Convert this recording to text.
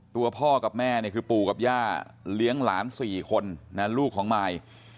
ตัวพ่อกับแม่คือปู่กับย่าเลี้ยงหลานสี่คนนั่นลูกของมาย